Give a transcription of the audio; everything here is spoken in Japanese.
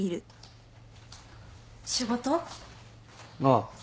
ああ。